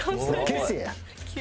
消せや。